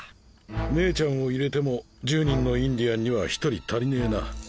姉ちゃんを入れても１０人のインディアンには１人足りねえな。